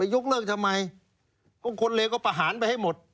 ยกเลิกก็ทำไมควรเหลคว่าประหารไปให้หมด